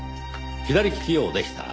左利き用でした。